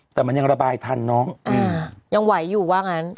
แต่มันยังระบายทันน้องยังไหวอยู่ว่างั้น